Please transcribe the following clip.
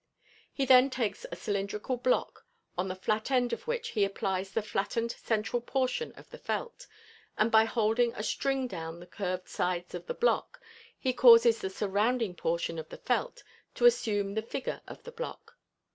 He then takes a cylindrical block, on the flat end of which he applies the flattened central portion of the felt, and by holding a string down the curved sides of the block, he causes the surrounding portion of the felt to assume the figure of the block.